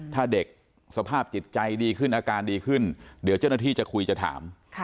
ถ้าเด็กสภาพจิตใจดีขึ้นอาการดีขึ้นเดี๋ยวเจ้าหน้าที่จะคุยจะถาม